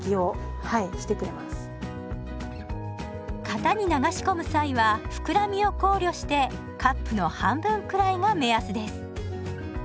型に流し込む際は膨らみを考慮してカップの半分くらいが目安です。